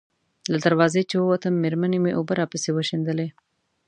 له دروازې چې ووتم، مېرمنې مې اوبه راپسې وشیندلې.